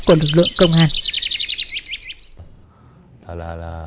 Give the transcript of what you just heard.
của lực lượng công an